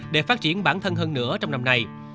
để phát triển bản thân hơn nữa trong năm nay